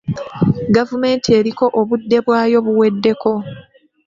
Gavumenti eriko obudde bwayo buweddeko.